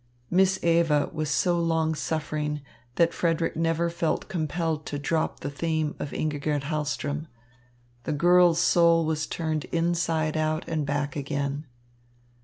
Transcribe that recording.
Miss Eva was so long suffering that Frederick never felt compelled to drop the theme of Ingigerd Hahlström. The girl's soul was turned inside out and back again.